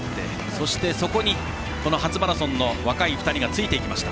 そして、そこに初マラソンの若い２人がついていきました。